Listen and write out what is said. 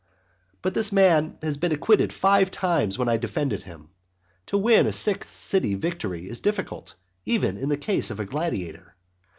But this man has been acquitted five times when I have defended him. To win a sixth city victory is difficult, even in the case of a gladiator.